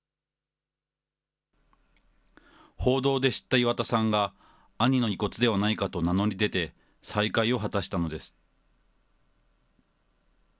報道で知った岩田さんが、兄の遺骨ではないかと名乗り出て、再会を果たしたのです。